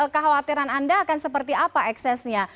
kekhawatiran anda akan seperti apa eksesnya